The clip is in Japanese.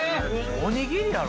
おにぎりやろ？